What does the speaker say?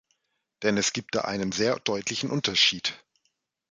Denn es gibt da einen sehr deutlichen Unterschied.